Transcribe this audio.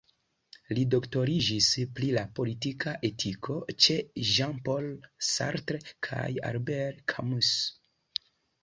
Li doktoriĝis pri la politika etiko ĉe Jean-Paul Sartre kaj Albert Camus.